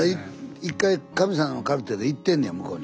一回「神様のカルテ」で行ってんねや向こうに。